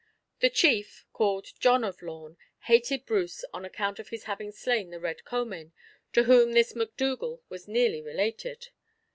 The chief, called John of Lorn, hated Bruce on account of his having slain the Red Comyn, to whom this MacDougal was nearly related.